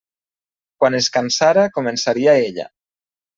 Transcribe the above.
Quan es cansara començaria ella.